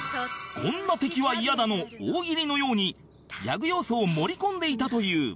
「こんな敵は嫌だ」の大喜利のようにギャグ要素を盛り込んでいたという